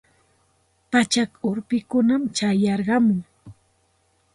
Pachak urpikunam chayarqamun.